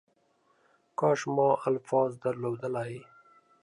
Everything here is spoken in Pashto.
کاش ما الفاظ درلودلی .